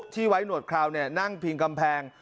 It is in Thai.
ที่ไว้หนวดคราวนั่งพิงกำแพง